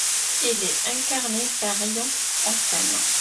Il est incarné par Ryan Hansen.